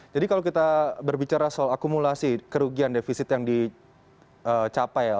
jadi kalau kita berbicara soal akumulasi kerugian defisit yang dicapai